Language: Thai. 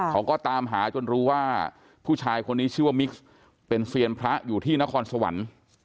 เขาก็ตามหาจนรู้ว่าผู้ชายคนนี้ชื่อว่ามิกซ์เป็นเซียนพระอยู่ที่นครสวรรค์